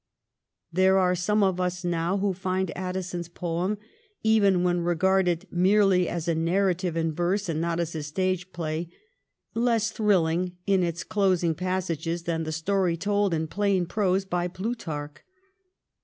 There are some of us now who find Addison's poem, even when regarded merely as a narrative in verse and not as a stage play, less thrilling in its closing passages than the story told in plain prose by Plutarch.